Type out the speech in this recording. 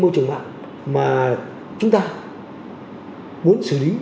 các trường mạng mà chúng ta muốn xử lý